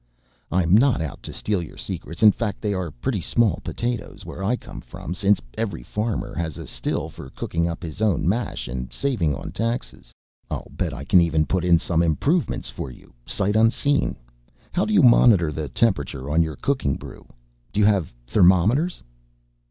"I'm not out to steal your secrets, in fact they are pretty small potatoes where I come from since every farmer has a still for cooking up his own mash and saving on taxes. I'll bet I can even put in some improvements for you, sight unseen. How do you monitor the temperature on your cooking brew? Do you have thermometers?"